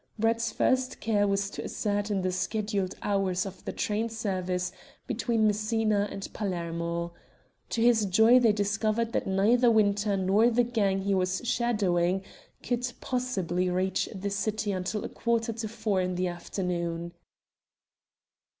Brett's first care was to ascertain the scheduled hours of the train service between Messina and Palermo. To his joy he discovered that neither Winter nor the gang he was shadowing could possibly reach the city until a quarter to four in the afternoon.